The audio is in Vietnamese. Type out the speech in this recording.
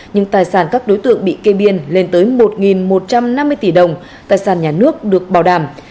nhưng tài sản các đối tượng bị kê biên lên tới một một trăm năm mươi tỷ đồng tài sản nhà nước được bảo đảm